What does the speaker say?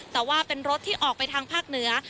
แต่ว่าเป็นรถที่ออกไปทางภาคเหนือ